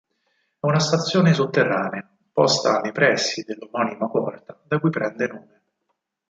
È una stazione sotterranea, posta nei pressi dell'omonima porta, da cui prende nome.